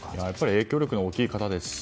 影響力の大きい方ですし